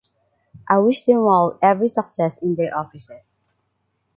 I wish them all every success in their offices.